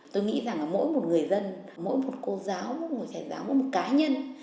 tôi nghĩ rằng mỗi một người dân mỗi một cô giáo mỗi một thầy giáo mỗi một cá nhân